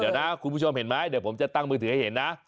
เดี๋ยวนะคุณผู้ชมเห็นไหมเดี๋ยวผมจะตั้งมือถือให้เห็นนะ